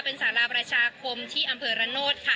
เป็นสาราประชาคมที่อำเภอระโนธค่ะ